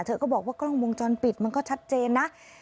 เธอก็บอกว่ากล้องวงจรปิดมันก็ชัดเจนนะ